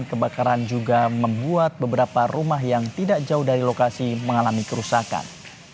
kebakaran juga membuat beberapa rumah yang tidak jauh dari lokasi mengalami kerusakan